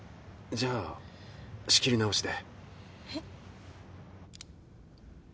「じゃあ仕切り直しで」